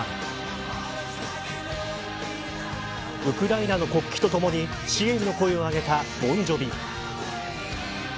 ウクライナの国旗とともに支援の声を上げたボン・ジョヴィ。